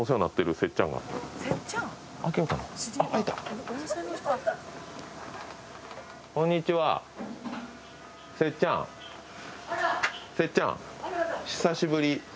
せっちゃん久しぶり。